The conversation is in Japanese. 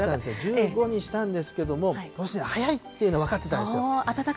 １５にしたんですけども、ことし早いっていうの分かってたんですよ。